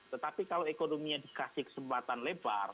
tetapi kalau ekonominya dikasih kesempatan lebar